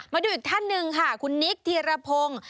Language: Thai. มาดูอีกท่านหนึ่งค่ะคุณนิคเทียระพง